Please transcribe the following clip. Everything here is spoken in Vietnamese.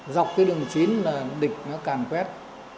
dọc cái đường chín là địch nó càng quét